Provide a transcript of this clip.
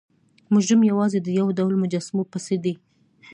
مجرم یوازې د یو ډول مجسمو پسې دی.